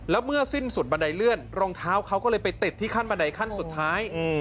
แล้วเมื่อสิ้นสุดบันไดเลื่อนรองเท้าเขาก็เลยไปติดที่ขั้นบันไดขั้นสุดท้าย